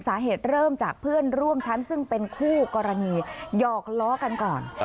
สาเหตุเริ่มจากเพื่อนร่วมชั้นซึ่งเป็นคู่กรณีหยอกล้อกันก่อน